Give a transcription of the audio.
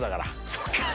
そっか。